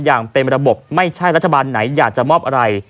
อย่างเป็นระบบไม่ใช่รัฐบาลไหนอยากจะมอบอะไร